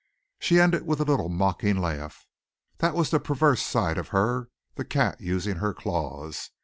She ended with a little mocking laugh. That was the perverse side of her, the cat using her claws.